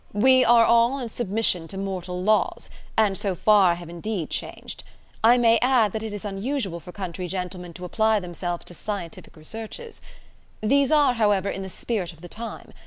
We are all in submission to mortal laws, and so far I have indeed changed. I may add that it is unusual for country gentlemen to apply themselves to scientific researches. These are, however, in the spirit of the time.